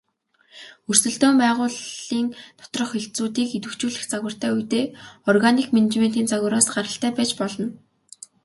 Өрсөлдөөн байгууллын доторх хэлтсүүдийг идэвхжүүлэх загвартай үедээ органик менежментийн загвараас гаралтай байж болно.